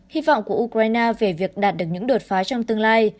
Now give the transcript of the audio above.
hy vọng của ukraine về việc đạt được những đột phá trong tương lai